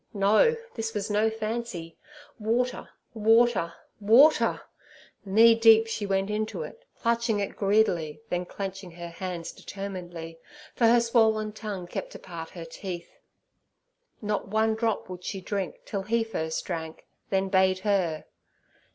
No, this was no fancy. Water, water, water! Knee deep she went into it, clutching it greedily, then clenching her hands determinedly, for her swollen tongue kept apart her teeth. Not one drop would she drink till He first drank, then bade her!